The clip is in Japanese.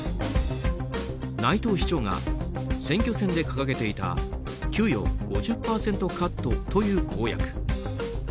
内藤市長が選挙戦で掲げていた給与５０％カットという公約。